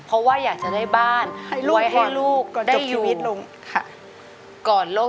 เคยบทกันลูกก็รอก